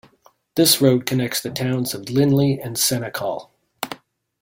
This road connects the towns of Lindley and Senekal.